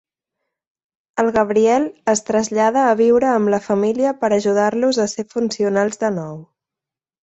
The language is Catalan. El Gabriel es trasllada a viure amb la família per ajudar-los a ser funcionals de nou.